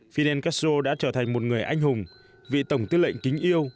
fidel castro đã trở thành một người anh hùng vị tổng tư lệnh kính yêu